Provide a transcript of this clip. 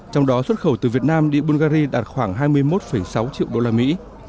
trong đó xuất khẩu từ việt nam đi bungary đạt khoảng hai mươi một sáu triệu đô la mỹ